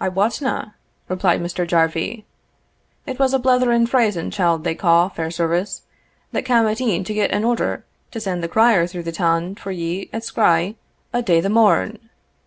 "I watna," replied Mr. Jarvie; "it was a bletherin' phrasin' chield they ca' Fairservice, that cam at e'en to get an order to send the crier through the toun for ye at skreigh o' day the morn.